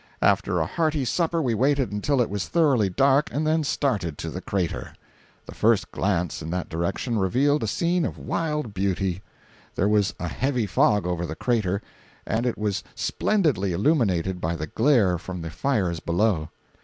After a hearty supper we waited until it was thoroughly dark and then started to the crater. The first glance in that direction revealed a scene of wild beauty. There was a heavy fog over the crater and it was splendidly illuminated by the glare from the fires below.